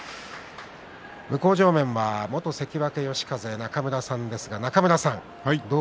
向正面は元関脇嘉風中村さんです。